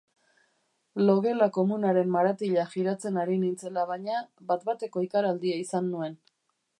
Logela komunaren maratila jiratzen ari nintzela, baina, bat-bateko ikaraldia izan nuen.